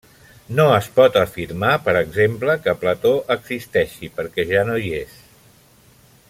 No es pot afirmar, per exemple, que Plató existeixi perquè ja no hi és.